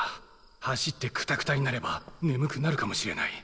走ってくたくたになれば眠くなるかもしれない。